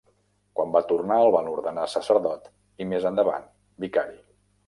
Quan va tornar el van ordenar sacerdot i més endavant vicari.